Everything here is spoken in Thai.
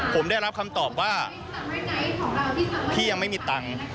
ผมได้รับคำตอบว่าพี่ยังไม่มีตังค์